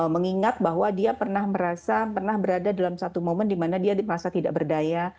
mengingat bahwa dia pernah merasa pernah berada dalam satu momen di mana dia merasa tidak berdaya